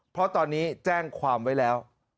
เพราะตอนนี้แจ้งความไว้แล้ว